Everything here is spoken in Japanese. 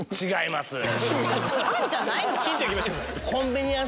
違います！